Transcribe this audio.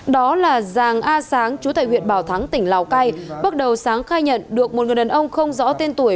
đó là giàng a sáng chú tại huyện bảo thắng tỉnh lào cai bước đầu sáng khai nhận được một người đàn ông không rõ tên tuổi